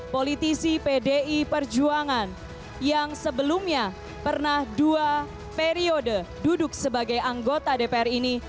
politisi pdi perjuangan yang sebelumnya pernah dua periode duduk sebagai anggota dpr ini